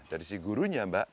dari si gurunya mbak